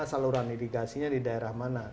saluran idikasinya di daerah mana